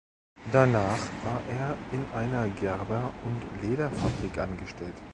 Danach war er in einer Gerber- und Lederfabrik angestellt.